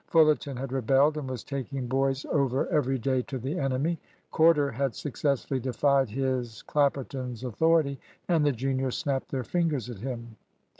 Fullerton had rebelled, and was taking boys over every day to the enemy. Corder had successfully defied his Clapperton's authority, and the juniors snapped their fingers at him.